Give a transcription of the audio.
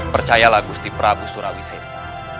percayalah gusti prabu surawi sesa